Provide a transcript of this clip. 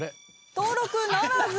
登録ならず。